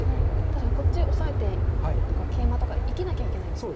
確かにこっちオサえてどっかケイマとかで生きなきゃいけないんですね。